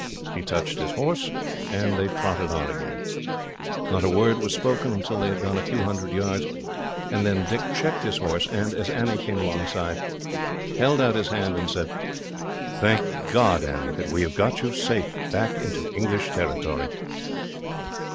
He touched his horse, and then trotted on again. Not a word was spoken, until they had gone a few hundred yards, and then Dick checked his horse, and, as Annie came alongside, held out his hand and said: "Thank God, Annie, that we have got you safely back onto English territory."